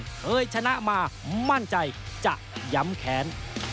เคยชนะมามั่นใจจะย้ำแค้น